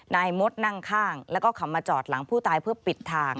นายมดนั่งข้างแล้วก็ขับมาจอดหลังผู้ตายเพื่อปิดทาง